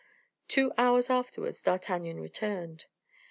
Two hours afterwards D'Artagnan returned.